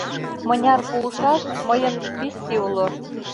Мыняр пуышаш, мыйын списке уло.